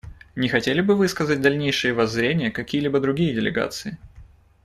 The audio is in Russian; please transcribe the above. Не хотели ли бы высказать дальнейшие воззрения какие-либо другие делегации?